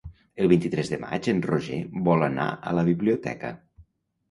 El vint-i-tres de maig en Roger vol anar a la biblioteca.